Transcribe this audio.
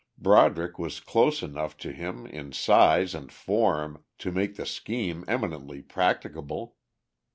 Broderick was close enough to him in size and form to make the scheme eminently practicable.